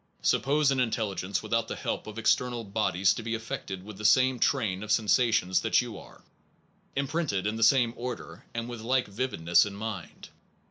... Suppose an intelligence without the help of external bodies to be affected with the same train of sensations that you are, imprinted in the same order, and with like vividness in his mind.